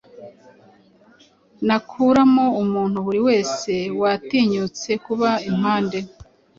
Nakuramo umuntu buri wese watinyutse kuba impande.